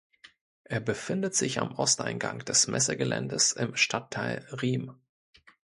Er befindet sich am Osteingang des Messegeländes im Stadtteil Riem.